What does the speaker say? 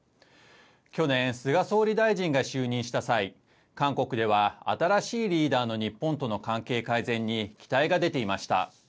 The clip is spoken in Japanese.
去年、菅総理大臣が就任した際、韓国では新しいリーダーの日本との関係改善に期待が出ていました。